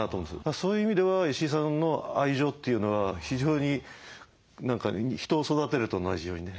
そういう意味では石井さんの愛情というのは非常に人を育てるのと同じようにね